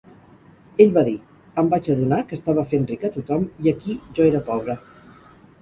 Ell va dir, "Em vaig adonar que estava fent ric a tothom, i aquí jo era pobre".